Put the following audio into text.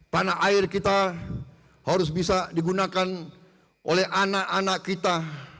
tanah air kita harus bisa digunakan oleh anak anak kita